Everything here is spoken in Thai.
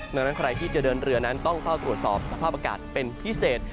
ดังนั้นใครที่จะเดินเรือนั้นต้องเฝ้าตรวจสอบสภาพอากาศเป็นพิเศษ